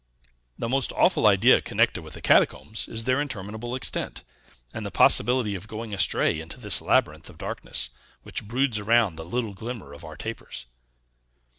The most awful idea connected with the catacombs is their interminable extent, and the possibility of going astray into this labyrinth of darkness, which broods around the little glimmer of our tapers."